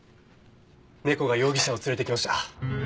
猫が容疑者を連れてきました。